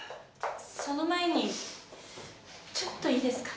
その前にちょっといいですか？